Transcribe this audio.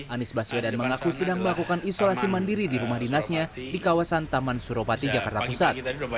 anies baswedan mengaku sedang melakukan isolasi mandiri di rumah dinasnya di kawasan taman suropati jakarta pusat